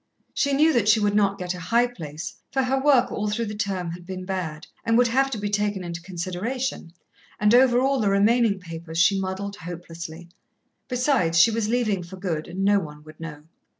She knew that she would not get a high place, for her work all through the term had been bad, and would have to be taken into consideration, and over all the remaining papers she muddled hopelessly. Besides, she was leaving for good, and no one would know.